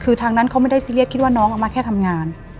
คือทางนั้นเขาไม่ได้ซีเรียสคิดว่าน้องเอามาแค่ทำงาน